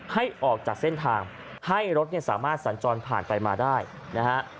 ให้ออกจากเส้นทางให้รถสามารถสันจรผ่านไปมาได้นะครับ